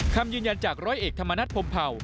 คำยืนยันจากร้อยเอกธรรมนัฐพรมเผ่า